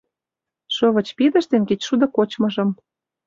Шовыч пидыш ден кечшудо кочмыжым